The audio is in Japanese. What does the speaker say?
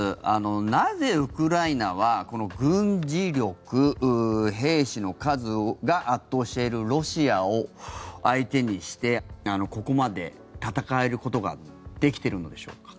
なぜウクライナは、軍事力兵士の数が圧倒しているロシアを相手にして、ここまで戦うことができているのでしょうか。